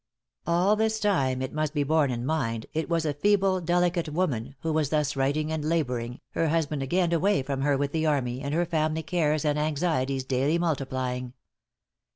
All this time, it must be borne in mind, it was a feeble, delicate woman, who was thus writing and laboring, her husband again away from her with the army, and her family cares and anxieties daily multiplying.